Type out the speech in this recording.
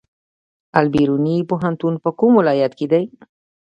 البیروني پوهنتون په کوم ولایت کې دی؟